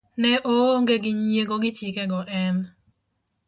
ne oonge gi nyiego gi chike go en